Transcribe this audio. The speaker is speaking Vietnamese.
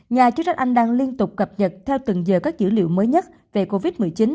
nhà chức trách anh đang liên tục cập nhật theo từng giờ các dữ liệu mới nhất về covid một mươi chín